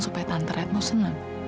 supaya tante retno seneng